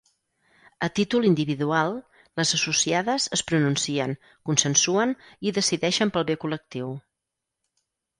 A títol individual, les associades es pronuncien, consensuen i decideixen pel bé col·lectiu.